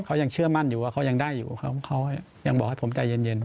เขายังเชื่อมั่นอยู่ว่าเขายังได้อยู่เขายังบอกให้ผมใจเย็น